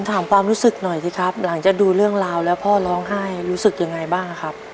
ถามความรู้สึกหน่อยสิครับหลังจากดูเรื่องราวแล้วพ่อร้องไห้รู้สึกยังไงบ้างครับ